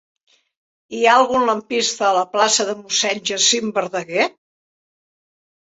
Hi ha algun lampista a la plaça de Mossèn Jacint Verdaguer?